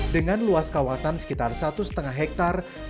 dengan luas kawasan sekitar satu lima hektare